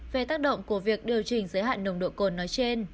về tác động của việc điều chỉnh giới hạn nồng độ cồn nói trên